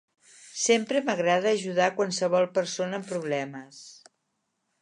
Sempre m'agrada ajudar qualsevol persona amb problemes.